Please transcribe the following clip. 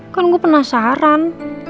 kan gue penasaran